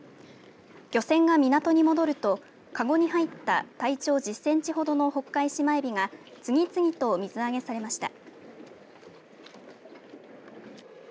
漁船が港に戻るとかごに入った体長１０センチほどのホッカイシマエビが次々と水揚げされました。